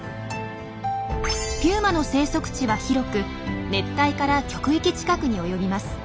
ピューマの生息地は広く熱帯から極域近くに及びます。